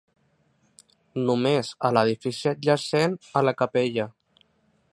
Només a l'edifici adjacent a la capella.